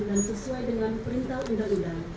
dan sesuai dengan perintah undang undang